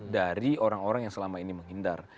dari orang orang yang selama ini menghindar